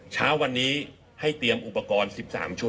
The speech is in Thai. เช้าวันนี้ให้เตรียมอุปกรณ์๑๓ชุด